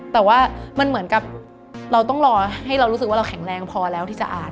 แต่ว่ามันเหมือนกับเราต้องรอให้เรารู้สึกว่าเราแข็งแรงพอแล้วที่จะอ่าน